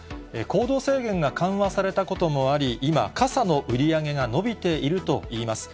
行動制限が緩和されたこともあり、今、傘の売り上げが伸びているといいます。